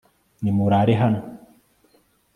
nimurare hano